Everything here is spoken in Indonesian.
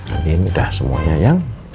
andin udah semuanya ya